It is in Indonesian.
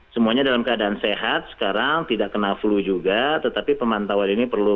semuanya dalam keadaan sehat sekarang tidak kena flu juga tetapi pemantauan ini perlu